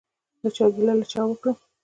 له چا ګیله له چا وکړم؟